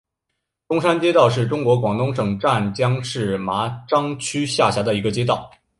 东山街道是中国广东省湛江市麻章区下辖的一个街道。